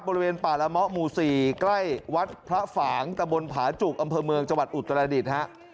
บริเวณป่าละเมาะหมู่๔ใกล้วัดพระฝางตะบนผาจุกอำเภอเมืองจังหวัดอุตรดิษฐ์ฮะ